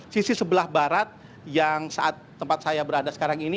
sisi sebelah barat yang saat tempat saya berada sekarang ini